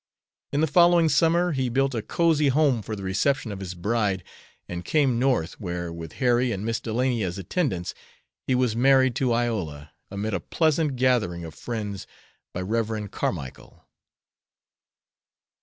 In the following summer, he built a cosy home for the reception of his bride, and came North, where, with Harry and Miss Delany as attendants, he was married to Iola, amid a pleasant gathering of friends, by Rev. Carmicle.